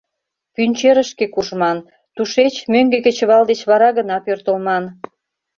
Пӱнчерышке куржман, тушеч мӧҥгӧ кечывал деч вара гына пӧртылман.